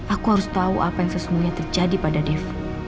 aku harus tau apa yang sesungguhnya terjadi pada dev